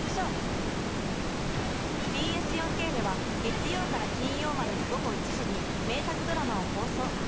ＢＳ４Ｋでは月曜から金曜までの午後１時に名作ドラマを放送。